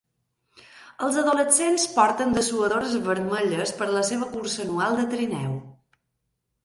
Els adolescents porten dessuadores vermelles per a la seva cursa anual de trineu.